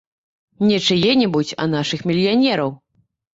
Не чые-небудзь, а нашых мільянераў.